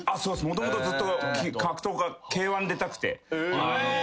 もともとずっとＫ−１出たくて。